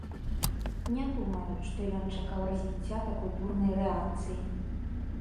Не думаю, што ён чакаў развіцця такой бурнай рэакцыі.